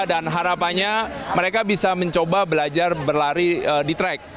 dan harapannya mereka bisa mencoba belajar berlari di track